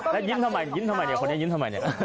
แล้วยิ้มทำไมยิ้มทำไมเนี่ยคนนี้ยิ้มทำไมเนี่ย